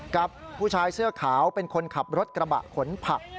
กับผู้ชายเสื้อขาวเป็นคนขับรถกระบะขนผัก